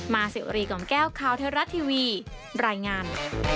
มาสิวริกับแก้วคาวเทอรัสทีวีรายงาน